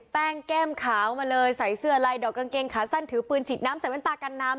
แก้มขาวมาเลยใส่เสื้อลายดอกกางเกงขาสั้นถือปืนฉีดน้ำใส่แว่นตากันน้ำ